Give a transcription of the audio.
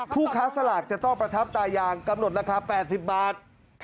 ผู้ค้าสลากจะต้องประทับตายางกำหนดราคา๘๐บาท